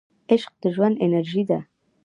عشق د ژوند انرژي ده.